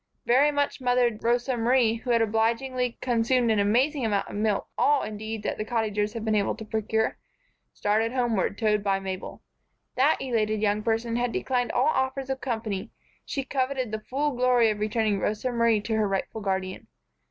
Very much mothered Rosa Marie, who had obligingly consumed an amazing amount of milk all, indeed, that the Cottagers had been able to procure started homeward, towed by Mabel. That elated young person had declined all offers of company; she coveted the full glory of returning Rosa Marie to her rightful guardian.